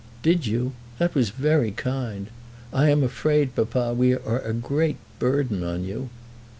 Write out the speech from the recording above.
"Did you? That was very kind. I am afraid, papa, we are a great burden on you."